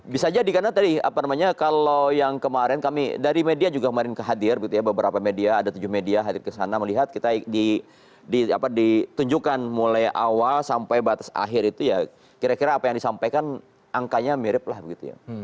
bisa jadi karena tadi apa namanya kalau yang kemarin kami dari media juga kemarin kehadir gitu ya beberapa media ada tujuh media hadir kesana melihat kita ditunjukkan mulai awal sampai batas akhir itu ya kira kira apa yang disampaikan angkanya mirip lah begitu ya